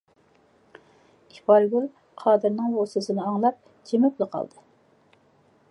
ئىپارگۈل قادىرنىڭ بۇ سۆزىنى ئاڭلاپ جىمىپلا قالدى.